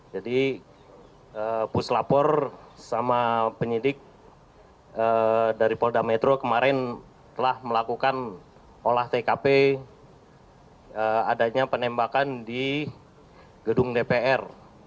jadi puslapor sama penyidik dari polda metro kemarin telah melakukan olah tkp adanya penembakan di gedung dpr